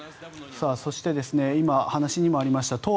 そして今、話にもありました